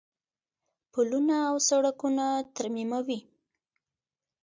پلونه او سړکونه ترمیموي.